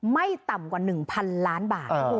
ไม่ต่ำกว่า๑๐๐๐ล้านบาท